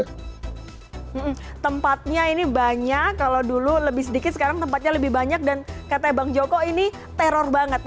hmm tempatnya ini banyak kalau dulu lebih sedikit sekarang tempatnya lebih banyak dan katanya bang joko ini teror banget